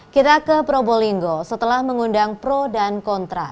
kita ke probolinggo setelah mengundang pro dan kontra